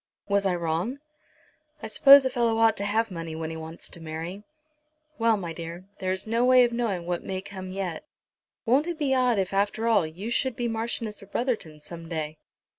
Was I wrong?" "I suppose a fellow ought to have money when he wants to marry. Well, my dear, there is no knowing what may come yet. Won't it be odd, if after all, you should be Marchioness of Brotherton some day?